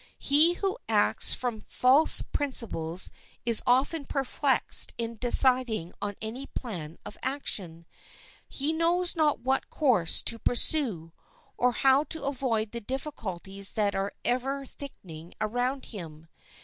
He who acts from false principles is often perplexed in deciding on any plan of action. He knows not what course to pursue, or how to avoid the difficulties that are ever thickening around him.